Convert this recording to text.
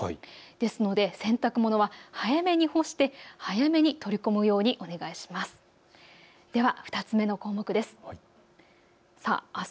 ですので洗濯物は早めに干して早めに取り込むようにお願いします。